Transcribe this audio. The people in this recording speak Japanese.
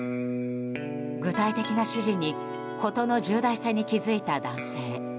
具体的な指示に事の重大さに気付いた男性。